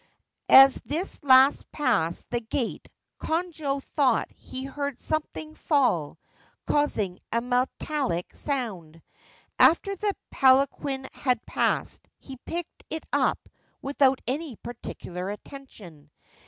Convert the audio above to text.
As this last passed the gate Konojo thought he heard something fall, causing a metallic sound. After the palanquin had passed he picked it up without any particular attention.